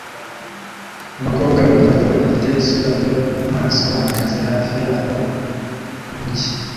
Abakobwa babiri bato badafite isura yo mumaso bahagaze hafi yabo mumujyi